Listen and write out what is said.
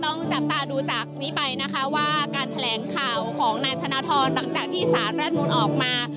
ต้องจับตาดูจากนี้ไปนะคะว่าการแถลงข่าวของนายธนทรหลังจากที่สารรัฐมนุนออกมา